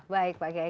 baik pak gaya